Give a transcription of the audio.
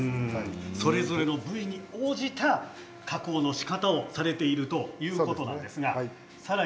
それぞれの部位に応じた加工のしかたをされているんですね。